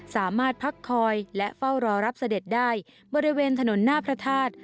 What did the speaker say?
สามารถพักคอยและเฝ้ารอรับเสด็จได้บริเวณถนนหน้าพระธาตุ